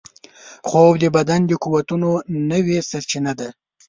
خوب د بدن د قوتونو نوې سرچینه ده